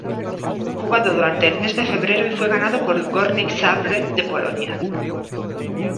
Jugado durante el mes de febrero y fue ganado por Górnik Zabrze de Polonia.